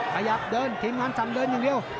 ขยับเดินทีมงานซำเดินอย่างเร็ว